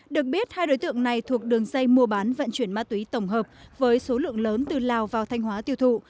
được biết hai đối tượng này thuộc đường dây mua bán vận chuyển ma túy tổng hợp với số lượng lớn từ lào vào thanh hóa tiêu thụ